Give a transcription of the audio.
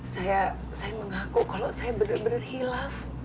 saya mengaku kalau saya benar benar hilaf